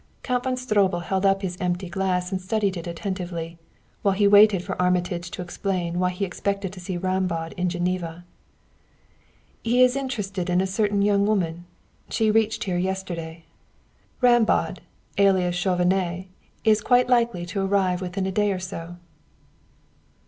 Count von Stroebel held up his empty glass and studied it attentively, while he waited for Armitage to explain why he expected to see Rambaud in Geneva. "He is interested in a certain young woman. She reached here yesterday; and Rambaud, alias Chauvenet, is quite likely to arrive within a day or so."